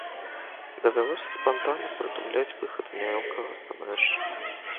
Давялося спантанна прыдумляць выхад з няёмкага становішча.